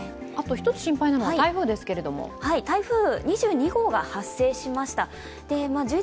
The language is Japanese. １つ心配なのは台風ですけれども台風２２号が発生しました。